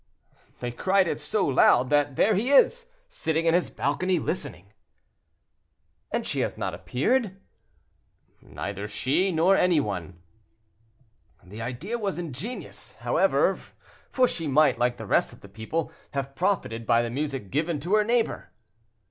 "They cried it so loud, that there he is, sitting in his balcony, listening." "And she has not appeared?" "Neither she, nor any one." "The idea was ingenious, however, for she might, like the rest of the people, have profited by the music given to her neighbor."